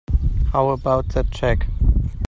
How about that check?